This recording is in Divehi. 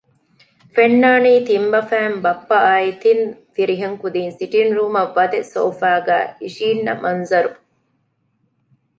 ފެންނާނީ ތިން ބަފައިން ބައްޕައާއި ތިން ފިރިހެން ކުދީން ސިޓިންގ ރޫމަށް ވަދެ ސޯފާގައި އިނށީންނަ މަންޒަރު